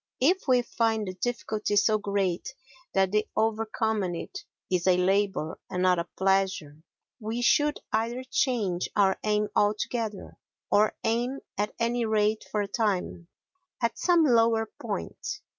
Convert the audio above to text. If we find the difficulty so great that the overcoming it is a labour and not a pleasure, we should either change our aim altogether, or aim, at any rate for a time, at some lower point.